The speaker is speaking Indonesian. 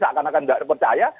seakan akan tidak percaya